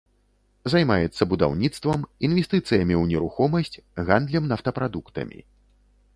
Займаецца будаўніцтвам, інвестыцыямі ў нерухомасць, гандлем нафтапрадуктамі.